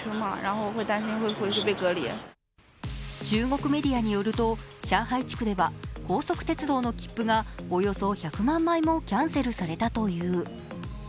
中国メディアによると上海地区では高速鉄道の切符がおよそ１００万枚もキャンセルされたという。